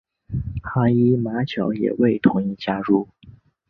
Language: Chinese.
哈伊马角也未同意加入。